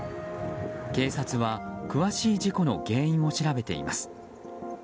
警察は詳しい事故の原因を調べています。